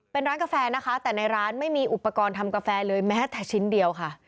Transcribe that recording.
เป็นร้านกาแฟนะคะแต่ในร้านไม่มีอุปกรณ์ทำกาแฟเลยแม้แต่ชิ้นเดียวค่ะ